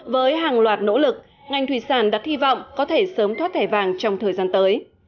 với hàng loạt nỗ lực ngành thủy sản đặt hy vọng có thể sớm thoát thẻ vàng trong thời gian tới